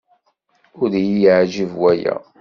Ur iyi-yeɛjib waya.